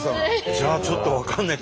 じゃあちょっと分かんない。